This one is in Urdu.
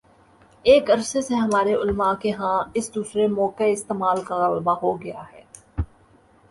ایک عرصے سے ہمارے علما کے ہاں اس دوسرے موقعِ استعمال کا غلبہ ہو گیا ہے